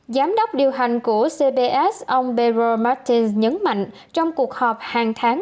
giám đốc điều hành của cps ông pedro martins nhấn mạnh trong cuộc họp hàng tháng